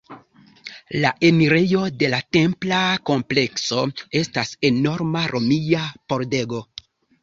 La enirejo de la templa komplekso estas enorma romia pordego.